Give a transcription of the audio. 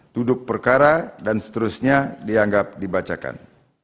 duduk perkara dan seterusnya dianggap dibacakan